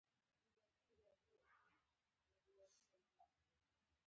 وېبپاڼې او ورځپاڼې بندوي.